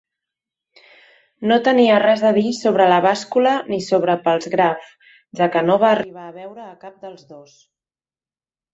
No tenia res a dir sobre la bàscula ni sobre Palsgraf, ja que no va arribar a veure a cap dels dos.